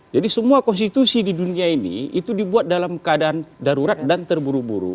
jadi semua konstitusi di dunia ini itu dibuat dalam keadaan darurat dan terburu buru